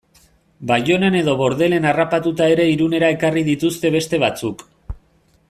Baionan edo Bordelen harrapatuta ere Irunera ekarri dituzte beste batzuk...